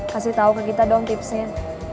kasih tahu ke kita dong tipsnya